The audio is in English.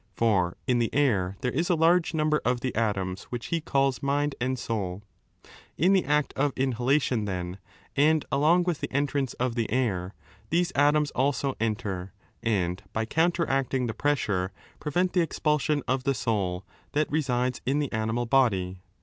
For in the air there is a large 3 number of the atoms which he calls mind and souL In the act of inhalation, then, and along with the entrance of the air, these atoms also enter, and, by counteracting the pressure, prevent the expulsion of the soul that resides in the animal body.